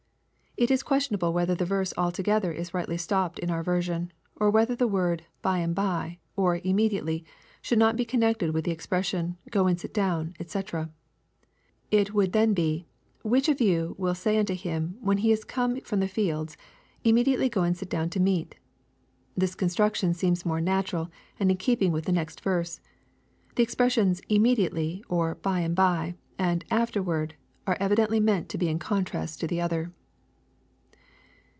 It is questionable whether the verse altogether is rightly stopped in our version, or whether the word "by and by," or " immediately," should not be connected with the expression " go and sit down," &c. It would then be, " which of you will say unto him, when he is come from the fields, immediately go and sit down to meat." This construction seems more natural and in keeping with the next verse. — The expressions " immediately," or " by and by," and " afterward," are evidently meant to be in contrast to the other.